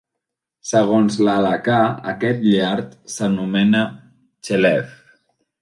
Segons l'halacà, aquest llard s'anomena "chelev".